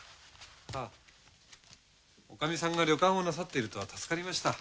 あ女将さんが旅館をなさっているとは助かりました。